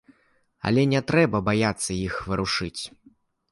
Але не трэба баяцца іх варушыць.